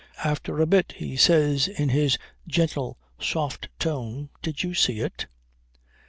After a bit he says in his gentle soft tone: "Did you see it?"